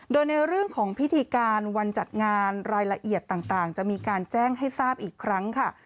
โดยในเรื่องของพิธีการวันจัดงานรายละเอียดต่างจะมีการแจ้งให้ทราบอีกครั้งค่ะ